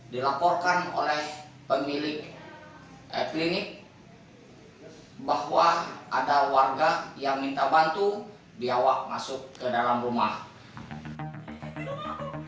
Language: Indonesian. dilaporkan oleh pemilik klinik bahwa ada warga yang minta bantu biawak masuk ke dalam rumah